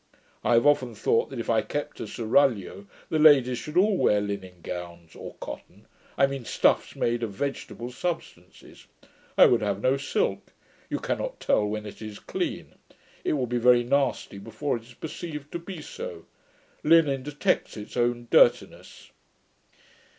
I have often thought, that, if I kept a seraglio, the ladies should all wear linen gowns, or cotton I mean stuffs made of vegetable substances. I would have no silk; you cannot tell when it is clean: it will be very nasty before it is perceived to be so. Linen detects its own dirtiness.'